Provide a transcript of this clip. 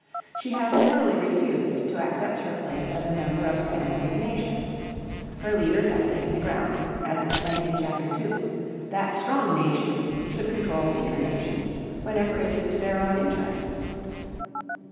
She has steadily refused to accept her place as a member of a family of nations. Her leaders have taken the ground, as explained in Chapter II, that strong nations should control weaker nations whenever it is to their own interest.